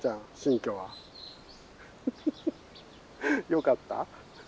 よかった？